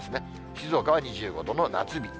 静岡は２５度の夏日。